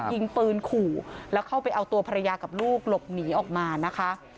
ยิงปืนขู่แล้วเข้าไปเอาตัวภรรยากับลูกหลบหนีออกมานะคะ